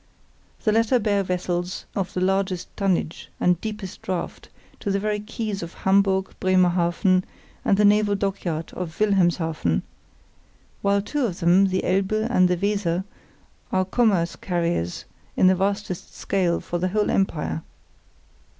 The latter bear vessels of the largest tonnage and deepest draught to the very quays of Hamburg, Bremerhaven, and the naval dockyard of Wilhelmshaven; while two of them, the Elbe and the Weser, are commerce carriers on the vastest scale for the whole empire.